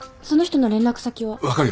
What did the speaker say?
その人の連絡先は？